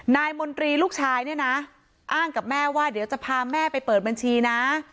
มนตรีลูกชายเนี่ยนะอ้างกับแม่ว่าเดี๋ยวจะพาแม่ไปเปิดบัญชีนะ